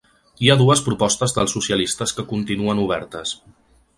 Hi ha dues propostes dels socialistes que continuen obertes.